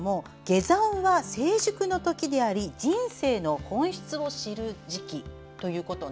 「下山」は成熟のときであり人生の本質を知る時期。